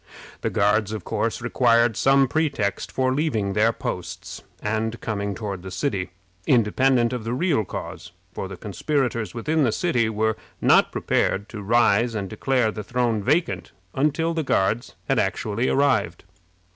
The Guards, of course, required some pretext for leaving their posts and coming toward the city, independent of the real cause, for the conspirators within the city were not prepared to rise and declare the throne vacant until the Guards had actually arrived.